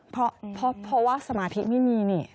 เพราะว่าสมาธิไม่มีนี่